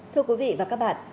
thưa quý vị và các bạn